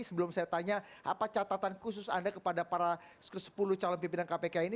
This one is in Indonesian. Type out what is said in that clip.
sebelum saya tanya apa catatan khusus anda kepada para sepuluh calon pimpinan kpk ini